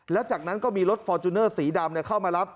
แล้วจากนั้นก็มีรถฟอร์จูเนอร์สีดำเข้ามารับ